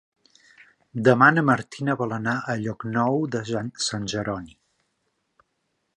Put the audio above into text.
Demà na Martina vol anar a Llocnou de Sant Jeroni.